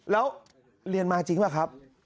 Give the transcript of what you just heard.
แล้วเรียนมาจริงป่ะครับ